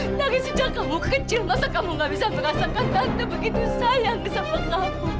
tapi sejak kamu kecil masa kamu gak bisa merasakan tante begitu sayang sama kamu